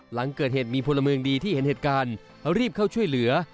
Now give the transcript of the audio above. หลังเกิดเหตุมีพลเมืองดีที่เห็นเหตุการณ์รีบเข้าช่วยเหลือ